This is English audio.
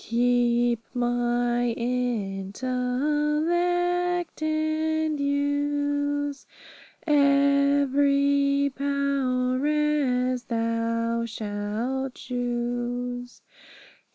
Keep my intellect, and use Every power as Thou shalt choose.